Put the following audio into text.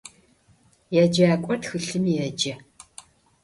Yêcak'or txılhım yêce.